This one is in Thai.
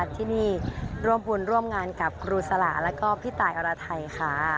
ที่นี่ร่วมบุญร่วมงานกับครูสละแล้วก็พี่ตายอรไทยค่ะ